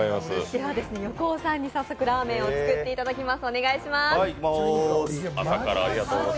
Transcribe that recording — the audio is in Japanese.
では横尾さんに早速、ラーメンを作っていただきます、お願いします。